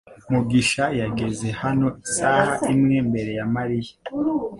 mugisha yageze hano isaha imwe mbere ya Mariya